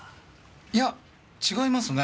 いや違いますね。